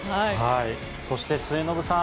そして、末延さん